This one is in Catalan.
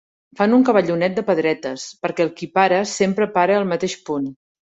Fan un cavallonet de pedretes, perquè el qui para sempre pare al mateix punt.